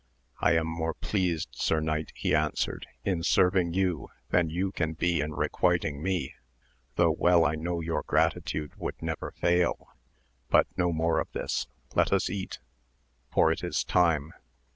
I am more pleased Sir Knight, he answered, in serving you than you can be in requiting me, though well I know your gratitude would never fail ; but no more of this, let us eat, for AMADIS OF GAUL. ^09 it is time.